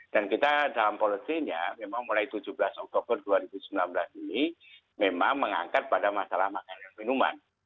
dan kita dalam polosinya memang mulai tujuh belas oktober dua ribu sembilan belas ini memang mengangkat pada masalah makanan dan minuman